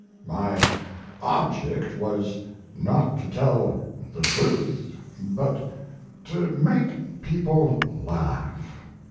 My object was not to tell the truth, but to make people laugh.